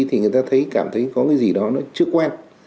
thì người ta thấy cảm thấy có cái gì đó nó chưa quen